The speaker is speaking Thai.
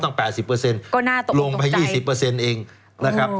ตั้งแปดสิบเปอร์เซ็นต์ก็น่าตกตกใจลงไปยี่สิบเปอร์เซ็นต์เองนะครับ